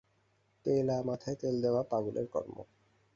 তেলা মাথায় তেল দেওয়া পাগলের কর্ম।